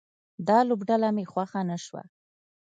دا لوبډله مې خوښه نه شوه